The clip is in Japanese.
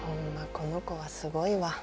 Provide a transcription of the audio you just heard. この子はすごいわ。